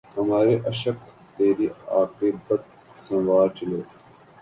ہمارے اشک تری عاقبت سنوار چلے